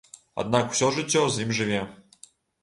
Аднак усё жыццё з ім жыве.